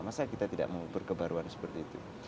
masa kita tidak mau berkebaruan seperti itu